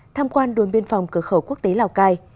tham quan đồn biên phòng cửa khẩu quốc tế lào cai